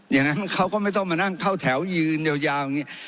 อย่างนั้นเขาก็ไม่ต้องมานั่งเข้าแถวยืนยาวอย่างนี้